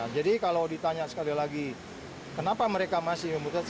jadi kalau ditanya sekali lagi kenapa mereka masih memutuskan